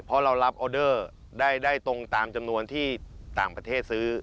เพราะเรารับออเดอร์ได้ตรงตามจำนวนที่ต่างประเทศซื้อ